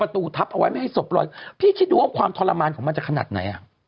เติมต้นเนี่ยพ่อของเขา